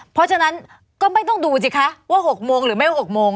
เพราะฉะนั้นก็ไม่ต้องดูสิคะว่า๖โมงหรือไม่๖โมง